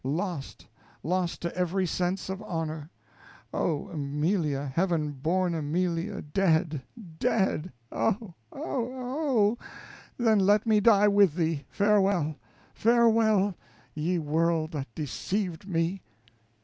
Lost, lost to every sense of honor! Oh! Amelia heaven born Amelia dead, dead! Oh! oh! oh! then let me die with thee. Farewell! farewell! ye world that deceived me!